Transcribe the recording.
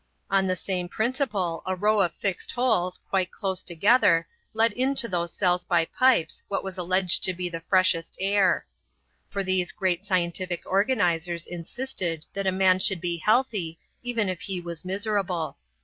On the same principle a row of fixed holes, quite close together, let in to the cells by pipes what was alleged to be the freshest air. For these great scientific organizers insisted that a man should be healthy even if he was miserable.